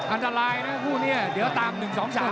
อันตรายนะคู่นี้เดี๋ยวตาม๑๒๓